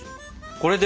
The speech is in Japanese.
これで？